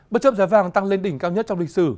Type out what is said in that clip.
bất chấp giá vàng tăng lên đỉnh cao nhất trong lịch sử